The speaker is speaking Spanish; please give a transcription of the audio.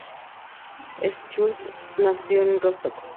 Schulz nació en Rostock.